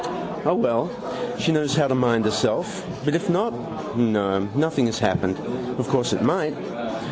O, well: she knows how to mind herself. But if not? No, nothing has happened. Of course it might.